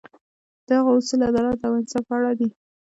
د هغه اصول د عدالت او انصاف په اړه دي.